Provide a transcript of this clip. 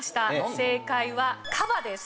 正解は「かば」です。